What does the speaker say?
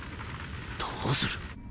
どうする？